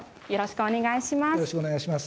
よろしくお願いします。